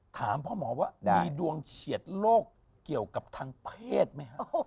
ถามพ่อหมอว่ามีดวงเฉียดโรคเกี่ยวกับทางเพศไหมฮะ